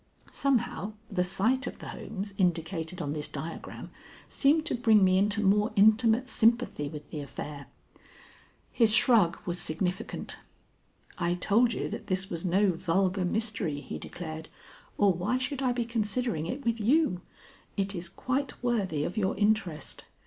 Somehow the sight of the homes indicated on this diagram seemed to bring me into more intimate sympathy with the affair. His shrug was significant. "I told you that this was no vulgar mystery," he declared; "or why should I be considering it with you? It is quite worthy of your interest.